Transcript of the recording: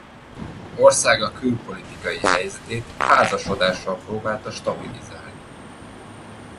Országa külpolitikai helyzetét házasodással próbálta stabilizálni.